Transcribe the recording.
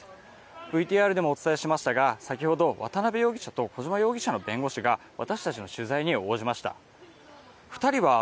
ＶＴＲでもお伝えしましたが先ほど渡辺容疑者と小島容疑者の弁護士が私たちの取材に応じました。